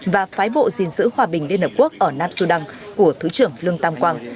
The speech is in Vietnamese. và phái bộ dình giữ hòa bình liên hợp quốc ở nam sudan của thứ trưởng lương tam quang